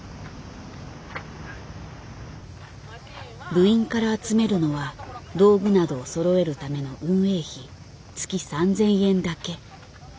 部員から集めるのは道具などをそろえるための運営費月３，０００円だけ。